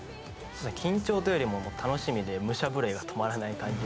緊張というよりも楽しみで武者震いが止まらない感じ。